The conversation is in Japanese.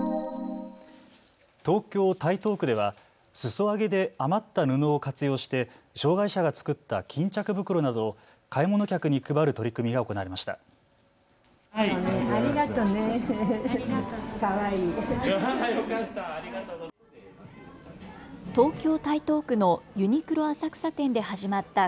東京台東区ではすそ上げで余った布を活用して障害者が作った巾着袋などを買い物客に配る取り組みが行われました。